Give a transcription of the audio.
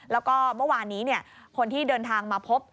แล้วก็เมื่อวานนี้คนที่เดินทางมาพบ